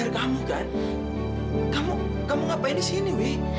kamu ngapain disini wi